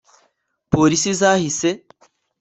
police zahise